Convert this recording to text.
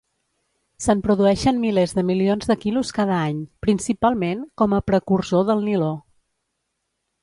Se'n produeixen milers de milions de quilos cada any, principalment com a precursor del niló.